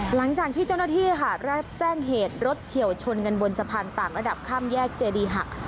หลังจากที่เจ้าหน้าที่ค่ะรับแจ้งเหตุรถเฉียวชนกันบนสะพานต่างระดับข้ามแยกเจดีหัก